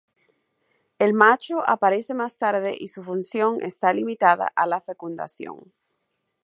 El macho aparece más tarde y su función está limitada a la fecundación.